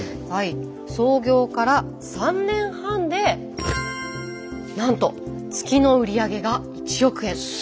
創業から３年半でなんと月の売上が１億円。